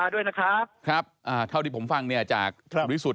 ครับนะครับครับเท่าที่ผมฟังเนี่ยจากวิศุษธิ์